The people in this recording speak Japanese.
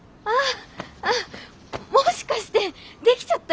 あもしかしてできちゃったりした？